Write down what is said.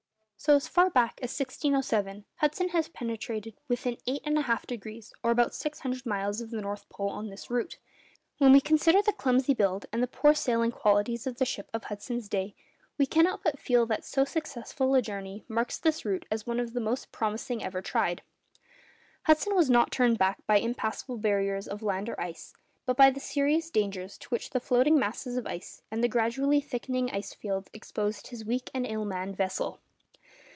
So far back as 1607, Hudson had penetrated within eight and a half degrees (or about 600 miles) of the North Pole on this route. When we consider the clumsy build and the poor sailing qualities of the ships of Hudson's day, we cannot but feel that so successful a journey marks this route as one of the most promising ever tried. Hudson was not turned back by impassable barriers of land or ice, but by the serious dangers to which the floating masses of ice and the gradually thickening ice fields exposed his weak and ill manned vessel.